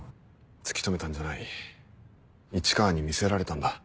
突き止めたんじゃない市川に見せられたんだ。